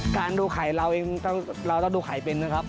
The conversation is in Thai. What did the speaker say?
ดูไข่เราเองเราต้องดูไข่เป็นนะครับ